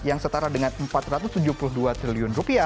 yang setara dengan rp empat ratus tujuh puluh dua triliun